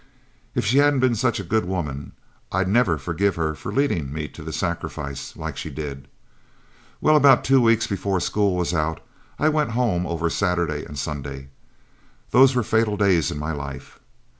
If she hadn't been such a good woman, I'd never forgive her for leading me to the sacrifice like she did. Well, about two weeks before school was out, I went home over Saturday and Sunday. Those were fatal days in my life.